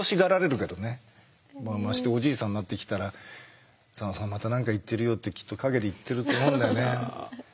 ましておじいさんになってきたら「佐野さんまた何か言ってるよ」ってきっと陰で言ってると思うんだよね。